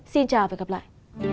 xin chào và gặp lại